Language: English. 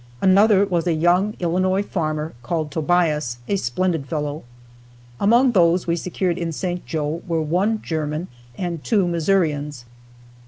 Another was a young Illinois farmer, named Tobias, a splendid fellow. Among those we secured in St. Joe were one German and two Missourians.